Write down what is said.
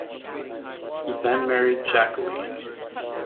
He then married Jacqueline.